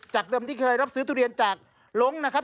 เดิมที่เคยรับซื้อทุเรียนจากลงนะครับ